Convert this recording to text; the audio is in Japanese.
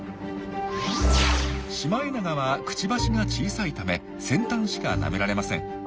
シマエナガはくちばしが小さいため先端しかなめられません。